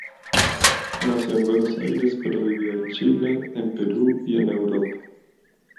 Nació en Buenos Aires pero vivió en Chile, en Perú y en Europa.